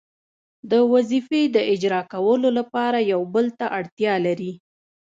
د وظیفې د اجرا کولو لپاره یو بل ته اړتیا لري.